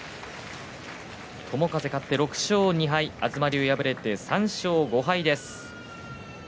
友風、勝って６勝２敗東龍は敗れて３勝５敗です。